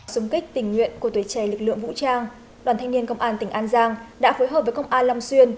súng kích tình nguyện của tuổi trẻ lực lượng vũ trang đoàn thanh niên công an tỉnh an giang đã phối hợp với công an long xuyên